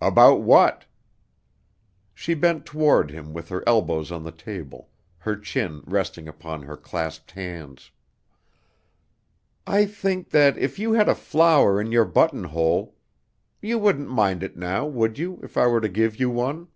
"About what?" She bent toward him with her elbows on the table, her chin resting upon her clasped hands. "I think that if you had a flower in your buttonhole you wouldn't mind it now, would you, if I were to give you one?"